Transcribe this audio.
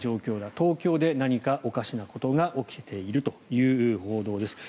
東京で何かおかしなことが起きているという報道です。